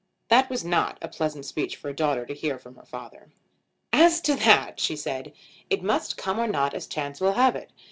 That was not a pleasant speech for a daughter to hear from her father. "As to that," she said, "it must come or not as chance will have it.